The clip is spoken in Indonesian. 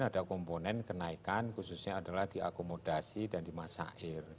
ada komponen kenaikan khususnya adalah di akomodasi dan di masa akhir